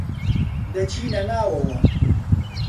دەچینە ناوەوە.